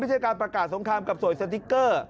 การประกาศสงครามกับสวยสติ๊กเกอร์